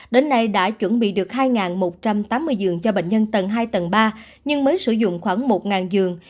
đến nay đã chuẩn bị được hai một trăm tám mươi giường cho bệnh nhân tầng hai tầng ba nhưng mới sử dụng khoảng một giường